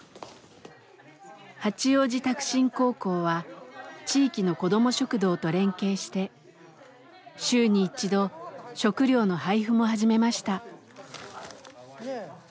八王子拓真高校は地域のこども食堂と連携して週に一度食料の配布も始めました。